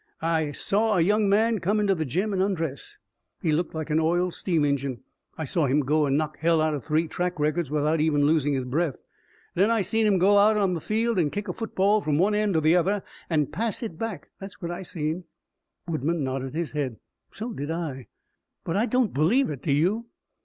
"I saw a young man come into the gym an' undress. He looked like an oiled steam engine. I saw him go and knock hell out of three track records without even losing his breath. Then I seen him go out on the field an' kick a football from one end to the other an' pass it back. That's what I seen." Woodman nodded his head. "So did I. But I don't believe it, do you?"